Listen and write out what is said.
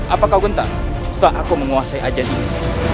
apa kau gentar setelah aku menguasai ajan ini